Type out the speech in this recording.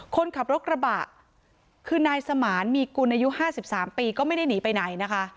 คนขับรถกระบะคือนายสมารมีกลุ่นอายุห้าสิบสามปีก็ไม่ได้หนีไปไหนนะคะ